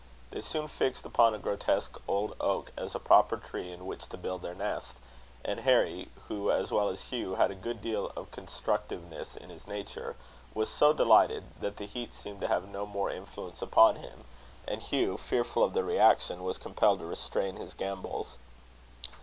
They soon fixed upon a grotesque old oak as a proper tree in which to build their nest; and Harry, who, as well as Hugh, had a good deal of constructiveness in his nature, was so delighted, that the heat seemed to have no more influence upon him; and Hugh, fearful of the reaction, was compelled to restrain his gambols.